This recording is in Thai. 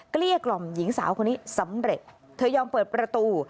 เกลี้ยกล่อมหญิงสาวคนนี้สำเร็จเธอยอมเปิดประตู